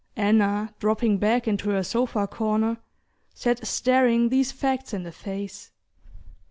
Anna, dropping back into her sofa corner, sat staring these facts in the face.